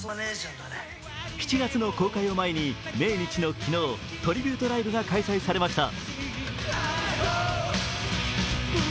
７月の公開を前に命日の昨日、トリビュートライブが開催されました。